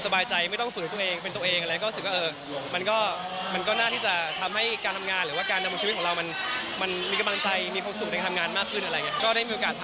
ฝ่ายหญิงก็ได้มีโอกาสเข้าไปก้านเท่าไหร่